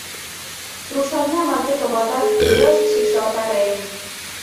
Рушарня марте, товатат, йышт шикшалтарем.